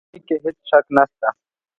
په دې کې هېڅ شک نه شته.